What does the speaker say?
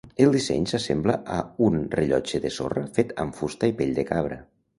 El disseny s'assembla a un rellotge de sorra fet amb fusta i pell de cabra.